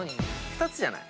２つじゃない？